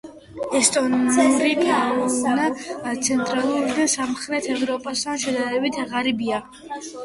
ესტონური ფაუნა ცენტრალურ და სამხრეთ ევროპასთან შედარებით ღარიბია.